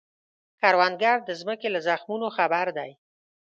کروندګر د ځمکې له زخمونو خبر دی